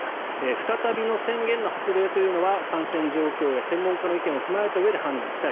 再びの宣言の発令というのは感染状況や専門家の意見を踏まえたうえで判断したい。